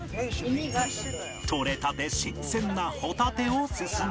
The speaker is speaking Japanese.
とれたて新鮮なホタテを勧める